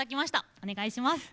お願いします。